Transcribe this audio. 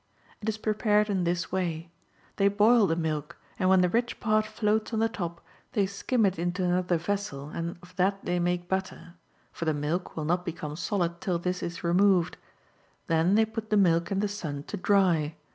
[It is prepared in this way ; they boil the milk, and when the rich part floats on the top they skim it into another vessel, and of that they make butter ; for the milk will not become solid till this is removed. Then they put the m.ilk in the sun to dry.